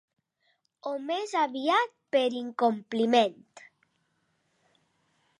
O més aviat per incompliment.